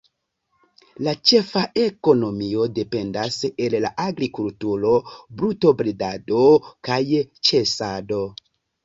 La ĉefa ekonomio dependas el la agrikulturo, brutobredado kaj ĉasado.